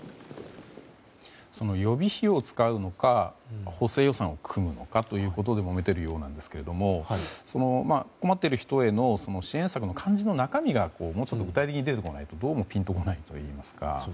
その予備費を使うのか補正予算を組むのかということでもめているようですが困っている人への支援策の肝心の中身が具体的に出てこないと、どうもピンと来ないといいますか。